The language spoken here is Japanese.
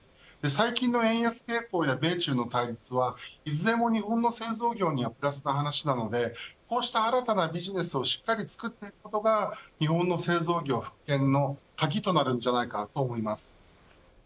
最近の円安傾向や米中の対立はいずれも日本の製造業にはプラスな話なのでこうした新たなビジネスをしっかりつくっていくことが日本の製造業復権の鍵になるんじゃないかと思います。